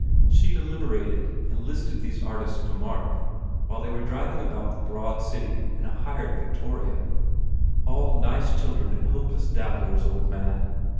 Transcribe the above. She deliberated and listed these artists to Mark while they were driving about the broad city in a hired victoria. "All nice children and hopeless dabblers, old man.